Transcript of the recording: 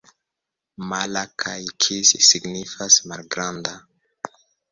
Mala kaj kis signifas: malgranda.